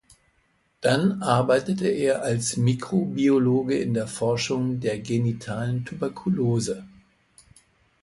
Dann arbeitete er als Mikrobiologe in der Forschung der genitalen Tuberkulose.